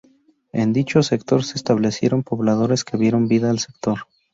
En dicho sector, se establecieron pobladores que dieron vida al sector.